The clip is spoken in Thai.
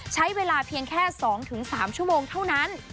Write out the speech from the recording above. ใช้เวลาเพียงแค่๒๓ชั่วโมงเท่านั้น